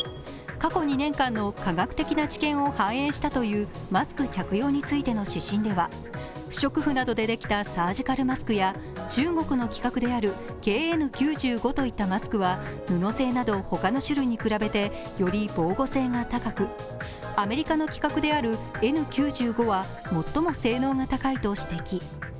過去２年間の科学的な知見を反映したというマスク着用についての指針では不織布などでできたサージカルマスクや、中国の規格であるＫＮ９５といったマスクは布製など他の種類に比べてより防護性が高く、アメリカの規格であるＮ９５は最も性能が高いと指摘。